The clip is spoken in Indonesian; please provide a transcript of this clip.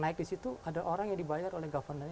naik di situ ada orang yang dibayar oleh governance